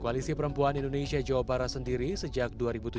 koalisi perempuan indonesia jawa barat sendiri sejak